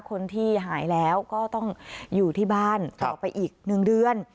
คนที่หายแล้วก็ต้องอยู่ที่บ้านต่อไปอีก๑เดือน